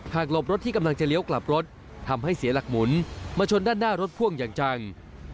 หลบรถที่กำลังจะเลี้ยวกลับรถทำให้เสียหลักหมุนมาชนด้านหน้ารถพ่วงอย่างจัง